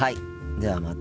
ではまた。